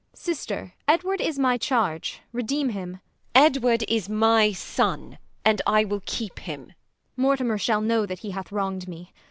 _ Sister, Edward is my charge; redeem him. Q. Isab. Edward is my son, and I will keep him. Kent. Mortimer shall know that he hath wronged me.